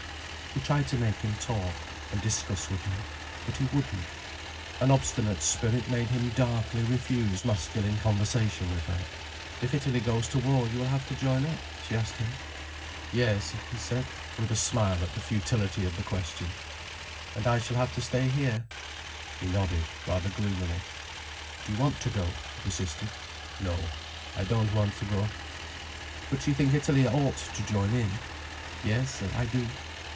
She tried to make him talk and discuss with her. But he wouldn't. An obstinate spirit made him darkly refuse masculine conversation with her. "If Italy goes to war, you will have to join up?" she asked him. "Yes," he said, with a smile at the futility of the question. "And I shall have to stay here?" He nodded, rather gloomily. "Do you want to go?" she persisted. "No, I don't want to go." "But you think Italy ought to join in?" "Yes, I do."